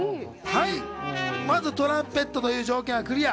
まずトランペットという条件はクリア。